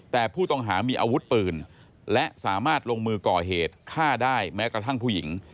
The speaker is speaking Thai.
แต่ผู้ต้องหามีอาวุธปืนและสามารถลงมือก่อเหตุฆ่าได้แม้กระทั่งผู้หญิง